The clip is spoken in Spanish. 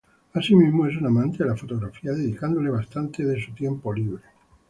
Asimismo, es un amante de la fotografía, dedicándole bastante de su tiempo libre.